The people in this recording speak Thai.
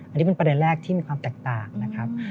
อันนี้เป็นประเด็นแรกที่มีความแตกต่างนะครับ